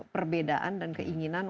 perbedaan dan keinginan